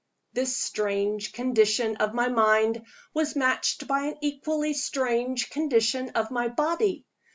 This strange condition of my mind was matched by an equally strange condition of my body.